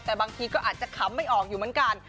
แต่บางทีก็อาจจะขำไม่ออกอยู่เหมือนกัน